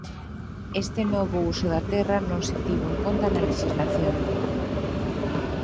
Este novo uso da terra non se tivo en conta na lexislación.